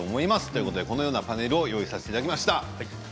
ということでこのようなパネルをご用意させていただきました。